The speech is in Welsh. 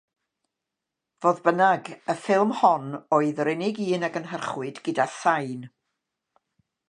Fodd bynnag, y ffilm hon oedd yr unig un a gynhyrchwyd gyda sain.